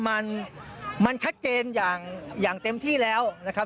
มันมันชัดเจนอย่างเต็มที่แล้วนะครับ